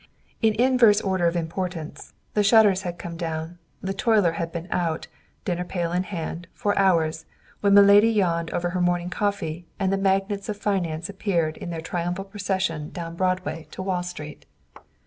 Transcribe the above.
In inverse order of importance, the shutters had come down, the toiler had been out, dinner pail in hand, for hours, when Milady yawned over her morning coffee and the magnates of finance appeared in their triumphal procession down Broadway to Wall Street.